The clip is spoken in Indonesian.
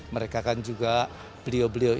mereka akan juga beliau beliau ini